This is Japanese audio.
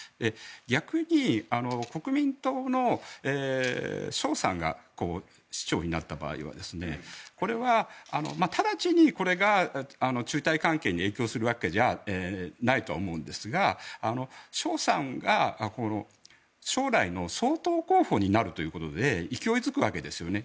逆に国民党のショウさんが市長になった場合はこれは直ちにこれが中台関係に影響するわけではないと思うんですがショウさんが将来の総統候補になるということで勢い付くわけですよね。